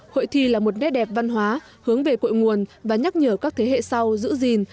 hội thi là một nét đẹp văn hóa hướng về cội nguồn và nhắc nhở các thế hệ sau giữ gìn